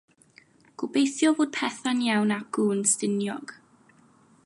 Gobeithio fod petha'n iawn acw yn Stiniog.